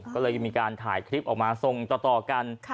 ก็เลยมีการถ่ายคลิปออกมาส่งต่อกัน